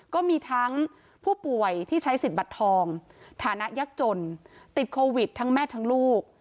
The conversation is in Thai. ก็มีทั้งผู้ป่วยที่ใช้สิทธิ์บัตรทองฐานะยักษ์จนติดโควิดทั้งแม่ทั้งลูก